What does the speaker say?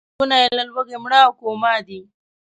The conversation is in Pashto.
سلګونه یې له لوږې مړه او کوما دي.